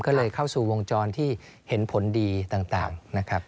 ก็เลยเข้าสู่วงจรที่เห็นผลดีต่างนะครับ